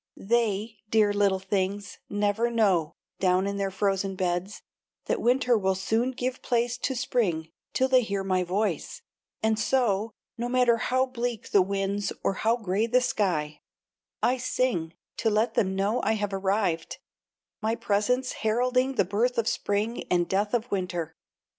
They, dear little things, never know, down in their frozen beds, that winter will soon give place to spring till they hear my voice, and so, no matter how bleak the winds or how gray the sky, I sing to let them know I have arrived, my presence heralding the birth of spring and death of winter.